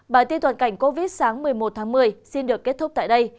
bài tiết toàn cảnh covid một mươi chín sáng một mươi một tháng một mươi xin được kết thúc tại đây